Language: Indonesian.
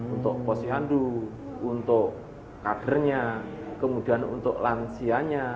untuk posyandu untuk kadernya kemudian untuk lansianya